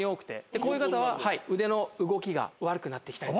こういう方は腕の動きが悪くなってきたり。